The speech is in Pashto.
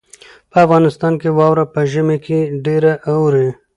په افغانستان کې واوره په ژمي کې ډېره اوري.